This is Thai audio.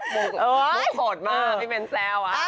มุกมุกโหดมากไม่เป็นแซวอ่ะ